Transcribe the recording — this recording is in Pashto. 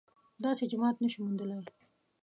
داسې جماعت نه شو موندلای